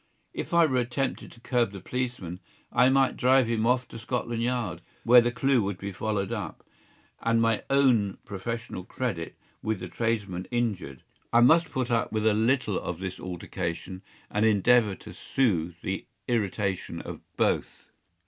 If I attempted to curb the policeman, I might drive him off to Scotland Yard, where the clue would be followed up, and my own professional credit with the tradesmen injured. I must put up with a little of this altercation, and endeavour to soothe the irritation of both.